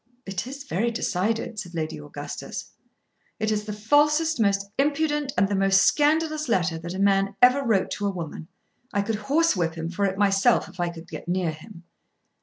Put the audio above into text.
"It is very decided," said Lady Augustus. "It is the falsest, the most impudent, and the most scandalous letter that a man ever wrote to a woman. I could horsewhip him for it myself if I could get near him."